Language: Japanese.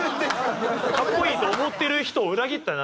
格好いいと思ってる人を裏切ったな。